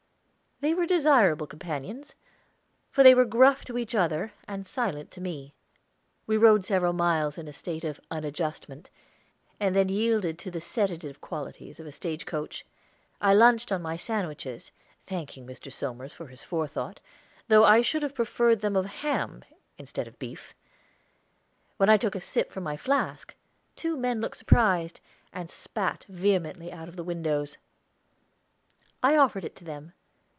They were desirable companions, for they were gruff to each other and silent to me. We rode several miles in a state of unadjustment, and then yielded to the sedative qualities of a stagecoach. I lunched on my sandwiches, thanking Mr. Somers for his forethought, though I should have preferred them of ham, instead of beef. When I took a sip from my flask, two men looked surprised, and spat vehemently out of the windows. I offered it to them.